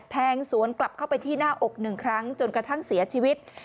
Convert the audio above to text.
แทงสวนกลับเข้าไปที่หน้าอกหนึ่งครั้งจนกระทั่งเสียชีวิต